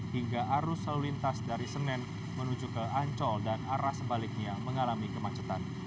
hingga arus lalu lintas dari senen menuju ke ancol dan arah sebaliknya mengalami kemacetan